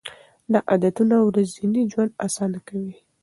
دا عادتونه ورځنی ژوند اسانه کوي.